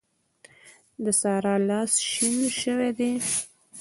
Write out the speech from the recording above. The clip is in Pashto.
د سارا لاس شين شوی دی.